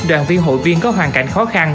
đoàn viên hội viên có hoàn cảnh khó khăn